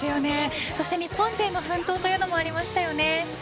そして日本勢の奮闘というのもありましたよね。